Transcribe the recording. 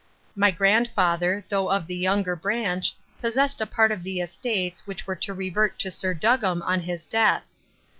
My grandfather, though of the younger branch, possessed a part of the estates which were to revert to Sir Duggam on his death.